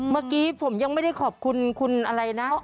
เมื่อกี้ผมยังไม่ได้ขอบคุณคุณอะไรนะ